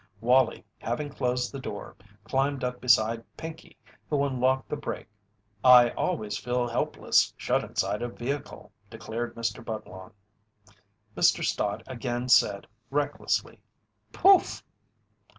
Wallie, having closed the door, climbed up beside Pinkey, who unlocked the brake. "I always feel helpless shut inside a vehicle," declared Mr. Budlong. Mr. Stott again said recklessly: "Poof!"